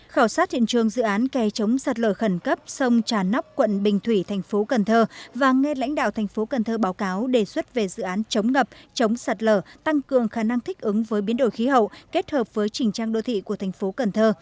khảo sát hiện trường dự án kè chống sạt lở khẩn cấp sông trà nóc quận bình thủy thành phố cần thơ và nghe lãnh đạo thành phố cần thơ báo cáo đề xuất về dự án chống ngập chống sạt lở tăng cường khả năng thích ứng với biến đổi khí hậu kết hợp với trình trang đô thị của thành phố cần thơ